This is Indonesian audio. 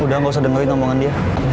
udah gak usah dengerin omongan dia